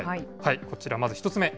こちら、まず１つ目。